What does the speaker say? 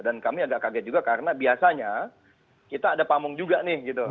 dan kami agak kaget juga karena biasanya kita ada pamong juga nih gitu